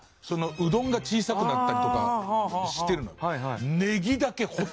うどんが小さくなったりとかしてるの。